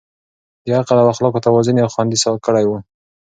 د عقل او اخلاقو توازن يې خوندي کړی و.